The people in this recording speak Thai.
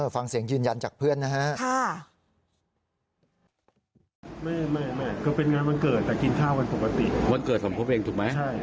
วันเกิดของพวกเพื่อนถูกไหม